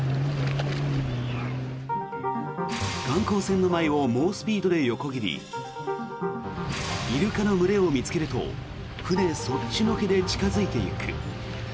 観光船の前を猛スピードで横切りイルカの群れを見つけると船そっちのけで近付いていく。